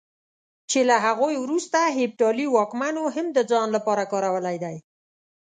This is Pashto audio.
چې له هغوی وروسته هېپتالي واکمنو هم د ځان لپاره کارولی دی.